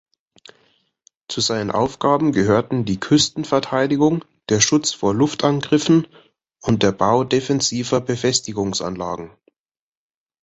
Zu seinen Aufgaben gehörten die Küstenverteidigung, der Schutz vor Luftangriffen und der Bau defensiver Befestigungsanlagen.